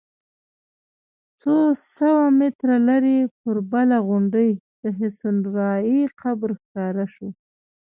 څو سوه متره لرې پر بله غونډۍ د حسن الراعي قبر ښکاره شو.